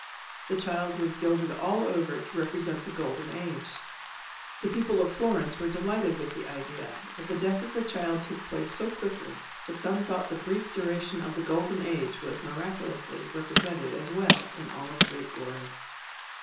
The child was gilded all over to represent the Golden Age. The people of Florence were delighted with the idea, but the death of the child took place so quickly that some thought the brief duration of the Golden Age was miraculously represented as well as its great glory.